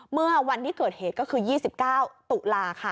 เมื่อวันที่เกิดเหตุก็คือ๒๙ตุลาค่ะ